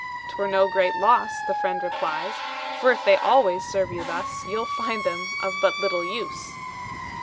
"'T were no great loss," the friend replies, "For, if they always serve you thus, You'll find them of but little use."